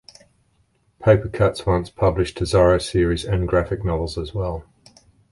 Papercutz once published a Zorro series and graphic novels as well.